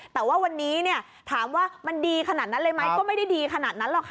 แต่ว่าวันนี้ถามว่ามันดีขนาดนั้นเลยไหมก็ไม่ได้ดีขนาดนั้นหรอกค่ะ